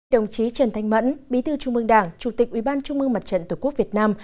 đồng chí trần thanh mẫn bí thư trung mương đảng chủ tịch ủy ban trung mương mặt trận tổ quốc việt nam